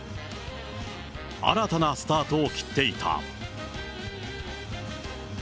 新たなスタートを切っていた。